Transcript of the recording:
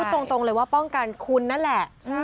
พูดตรงเลยว่าน่ะแหละ